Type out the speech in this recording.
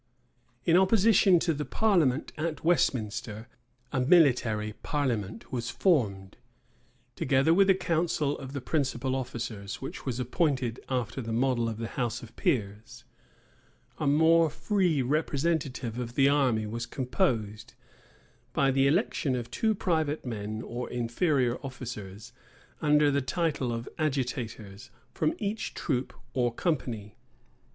In opposition to the parliament at Westminster, a military parliament was formed. Together with a council of the principal officers, which was appointed after the model of the house of peers, a more free representative of the army was composed, by the election of two private men or inferior officers, under the title of agitators, from each troop or company.